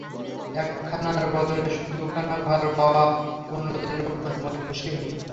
একখানার বদলে দুখানা ঘর পাওয়া উন্নতির লক্ষণ, মতি খুশি হইল।